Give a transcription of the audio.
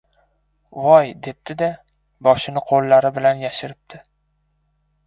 «Voy, debdi-da, boshini qo‘llari bilan yashiribdi».